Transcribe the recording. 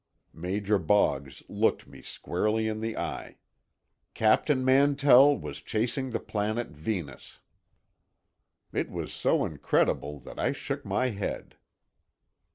Major Boggs looked me squarely in the eye. "Captain Mantell was chasing the planet Venus." It was so incredible that I shook my head.